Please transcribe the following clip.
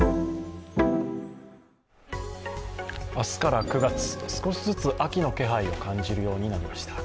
明日から９月、少しずつ秋の気配を感じるようになりました。